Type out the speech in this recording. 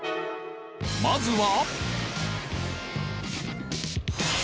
まずは。